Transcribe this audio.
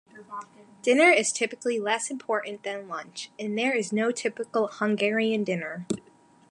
Dinner is typically less important then lunch, and there is no typical Hungarian dinner.